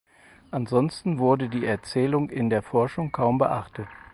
Ansonsten wurde die Erzählung in der Forschung kaum beachtet.